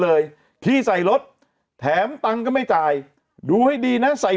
เลยพี่ใส่รถแถมตังค์ก็ไม่จ่ายดูให้ดีนะใส่